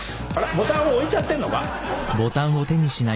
ボタンを置いちゃってんのか？